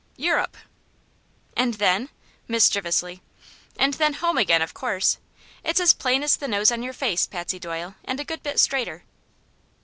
"Eu rope." "And then?" mischievously. "And then home again, of course. It's as plain as the nose on your face, Patsy Doyle, and a good bit straighter."